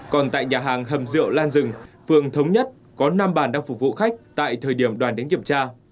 còn tại nhà hàng hầm dựa lan rừng phường thống nhất có năm bàn đang phục vụ khách tại thời điểm đoàn đến kiểm tra